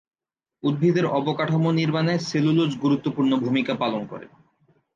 উদ্ভিদের অবকাঠামো নির্মাণে সেলুলোজ গুরুত্বপূর্ণ ভূমিকা পালন করে।